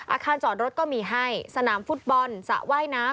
อาคารจอดรถก็มีให้สนามฟุตบอลสระว่ายน้ำ